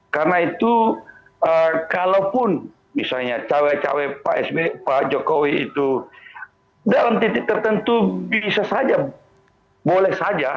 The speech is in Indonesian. karena itu kalaupun misalnya cewek cewek pak jokowi itu dalam titik tertentu bisa saja boleh saja